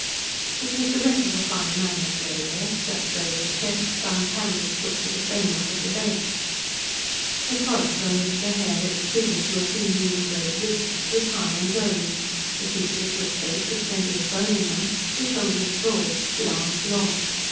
It was the wreck of a fine man that lay there, strapped over the chest, bound hand and foot to the framework of the bed. The forehead, on which the hair had receded to a few mean grey wisps, was high and domed, the features were straight with plenty of bone in them, the shoulders broad, the arms long.